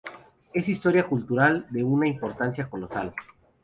Es historia cultural de una importancia colosal.